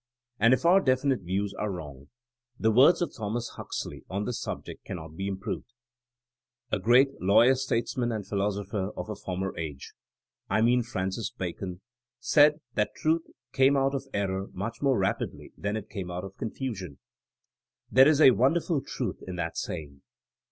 And if our definite views are wrong? ... But the words of Thomas Huxley on this sub ject cannot be improved : A great lawyer statesman and philosopher of a former age — ^I mean Francis Bacon — said that tru th came out of error much more rapidly t han it came out of c onfusion. There is a won derful truth in that saying.